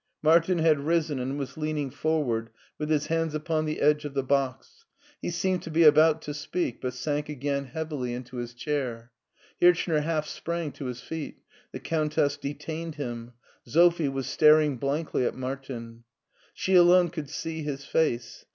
Martin had risen and was leaning forward with his hands upon the edge of the box ; he seemed to be about to speak, but sank again heavily into his chair. Hirchner half sprang to his feet. The Countess detained him. Sophie was star ing blankly at Martin. She alone could see his face.